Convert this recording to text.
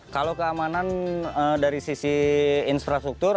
kalau keamanan dari sisi infrastruktur